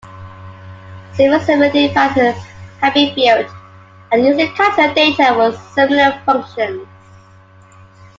Several similar devices have been built and used to capture data for similar functions.